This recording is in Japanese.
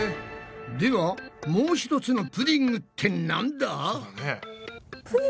ではもうひとつの「プディング」ってなんだ？